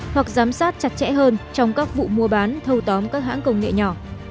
hoặc giám sát chặt chẽ hơn trong các vụ mua bán thâu tóm các hãng công nghệ nhỏ